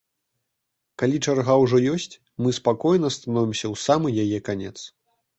Калі чарга ўжо ёсць, мы спакойна становімся ў самы яе канец.